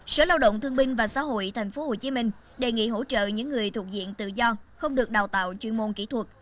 sở lao động thương binh và xã hội tp hcm đề nghị hỗ trợ những người thuộc diện tự do không được đào tạo chuyên môn kỹ thuật